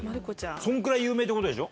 そのくらい有名って事でしょ？